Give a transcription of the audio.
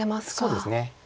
そうですね。